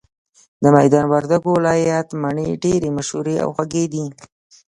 د ميدان وردګو ولايت مڼي ډيري مشهوره او خوږې دي